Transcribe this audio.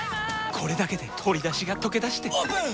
これだけで鶏だしがとけだしてオープン！